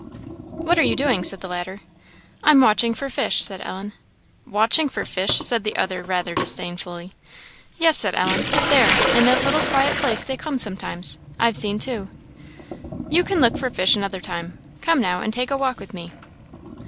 "What are you doing?" said the latter. "I'm watching for fish," said Ellen. "Watching for fish!" said the other, rather disdainfully. "Yes," said Ellen, "there, in that little quiet place they come sometimes I've seen two." "You can look for fish another time. Come now, and take a walk with me."